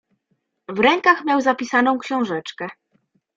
"W rękach miał zapisaną książeczkę."